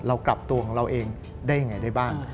เรากลับตัวของเราเองได้ยังไงได้บ้าง